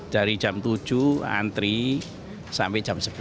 dari jam tujuh antri sampai jam sebelas